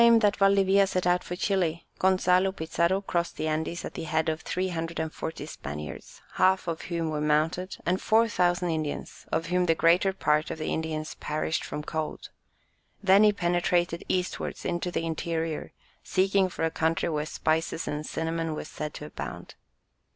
] At the time that Valdivia set out for Chili, Gonzalo Pizarro crossed the Andes at the head of 340 Spaniards, half of whom were mounted, and 4000 Indians, of whom the greater part of the Indians perished from cold; then he penetrated eastwards into the interior, seeking for a country where spices and cinnamon were said to abound.